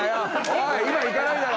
おい今いかないだろ。